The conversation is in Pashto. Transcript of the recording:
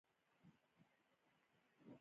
تاسو ولې ښکلي یاست؟